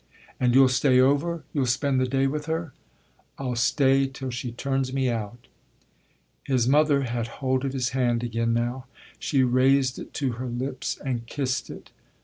"And you'll stay over you'll spend the day with her?" "I'll stay till she turns me out!" His mother had hold of his hand again now: she raised it to her lips and kissed it.